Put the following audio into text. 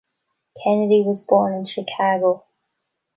Kennedy was born in Chicago.